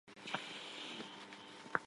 Աշտարակը գտնվում է «ժամացույցի հրապարակում»։